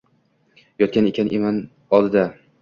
Yotgan ekan eman oldida.